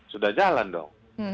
sudah jalan dong